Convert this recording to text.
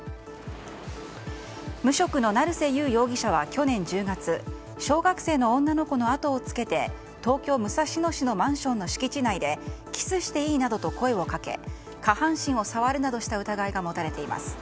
無職の成瀬友容疑者は去年１０月小学生の女の子の後をつけて東京・武蔵野市のマンションの敷地内でキスしていい？などと声をかけ下半身を触るなどした疑いが持たれています。